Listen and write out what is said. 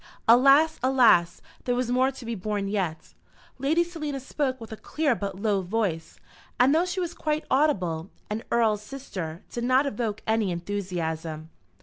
Alas, alas! there was more to be borne yet! Lady Selina spoke with a clear but low voice, and though she was quite audible, and an earl's sister, did not evoke any enthusiasm.